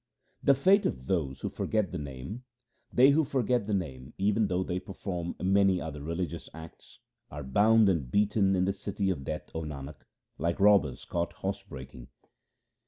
The fate of those who forget the Name :— They who forget the Name, even though they perform many other religious acts, Are bound and beaten in the city of Death, O Nanak, like robbers caught house breaking.